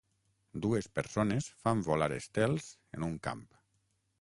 Dues persones fan volar estels en un camp